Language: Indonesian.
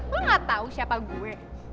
gue gak tau siapa gue